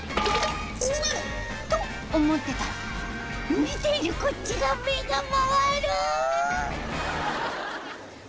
「キニナル！」と思ってたら見ているこっちが目が回る！